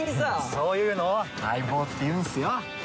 そういうのを相棒っていうんすよ！